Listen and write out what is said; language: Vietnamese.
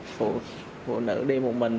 phụ nữ đi một mình